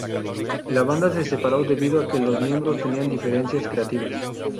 La banda se separó debido a que los miembros tenían diferencias creativas.